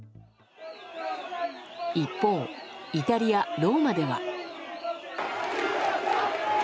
一方、イタリア・ローマでは。